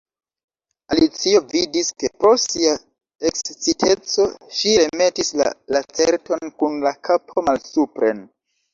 Alicio vidis, ke pro sia eksciteco ŝi remetis la Lacerton kun la kapo malsupren.